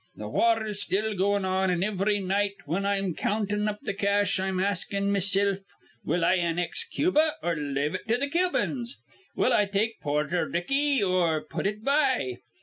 Th' war is still goin' on; an' ivry night, whin I'm countin' up the cash, I'm askin' mesilf will I annex Cubia or lave it to the Cubians? Will I take Porther Ricky or put it by?